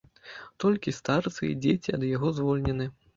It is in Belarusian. Толькі старцы і дзеці ад яго звольнены.